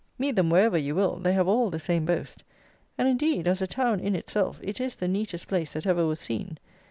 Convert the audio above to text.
Meet them wherever you will, they have all the same boast; and indeed, as a town in itself, it is the neatest place that ever was seen.